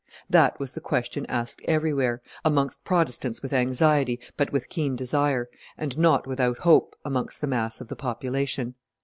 That was the question asked everywhere, amongst Protestants with anxiety, but with keen desire, and not without hope, amongst the mass of the population.